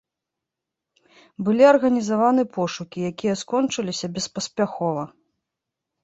Былі арганізаваны пошукі, якія скончыліся беспаспяхова.